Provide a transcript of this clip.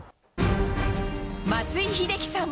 松井秀喜さん